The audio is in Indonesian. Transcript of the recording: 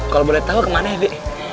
kalo boleh tau kemana ya bi